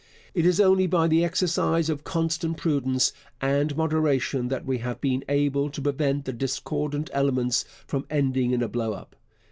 It is only by the exercise of constant prudence and moderation that we have been able to prevent the discordant elements from ending in a blow up.